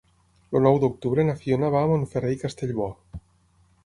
El nou d'octubre na Fiona va a Montferrer i Castellbò.